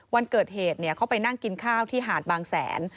วันเกิดเหตุเขาไปนั่งกินข้าวที่หาดบางแสน